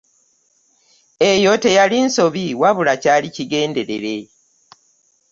Eyo teyali nsobi wabula kyali kigenderere.